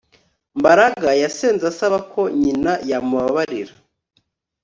Mbaraga yasenze asaba ko nyina yamubabarira